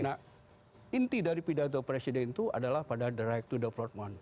nah inti dari pidato presiden itu adalah pada the right to development